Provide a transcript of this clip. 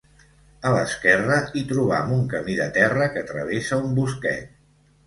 A l'esquerra hi trobam un camí de terra que travessa un bosquet.